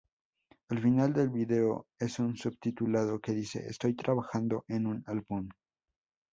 Al final del vídeo, en un subtítulo que dice "estoy trabajando en un álbum.